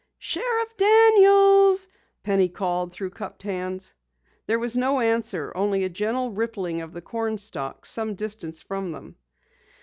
"Sheriff Daniels!" Penny called through cupped hands. There was no answer, only a gentle rippling of the corn stalks some distance from them.